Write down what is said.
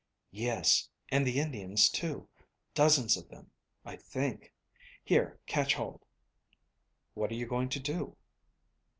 "Yes, and the Indians too; dozens of them, I think. Here, catch hold." "What are you going to do?"